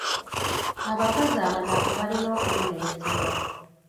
Abakozi abanafu balina okubonerezebwa.